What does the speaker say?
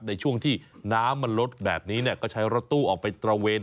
ในช่วงที่น้ำมันลดแบบนี้ก็ใช้รถตู้ออกไปตระเวน